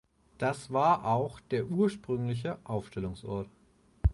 Das war auch der ursprüngliche Aufstellungsort.